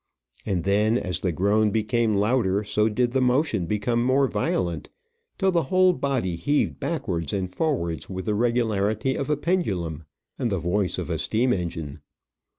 And then, as the groan became louder, so did the motion become more violent, till the whole body heaved backwards and forwards with the regularity of a pendulum and the voice of a steam engine.